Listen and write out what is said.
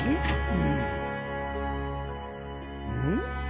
うん？